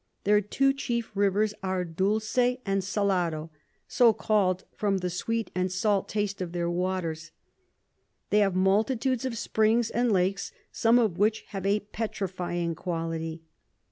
Their two chief Rivers are Dulce and Salado, so call'd from the sweet and salt Taste of their Waters. They have multitudes of Springs and Lakes, some of which have a petrifying quality.